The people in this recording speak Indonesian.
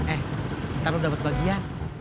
eh ntar lu dapet bagian